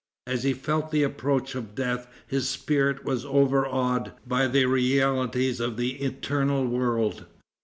As he felt the approach of death his spirit was overawed by the realities of the eternal world.